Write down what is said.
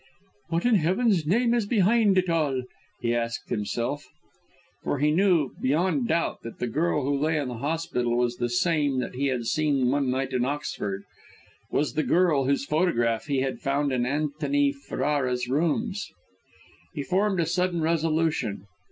"What in Heaven's name is behind it all!" he asked himself. For he knew beyond doubt that the girl who lay in the hospital was the same that he had seen one night at Oxford, was the girl whose photograph he had found in Antony Ferrara's rooms! He formed a sudden resolution.